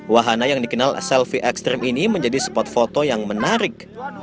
wahana yang dikenal selfie ekstrim ini menjadi spot foto yang menarik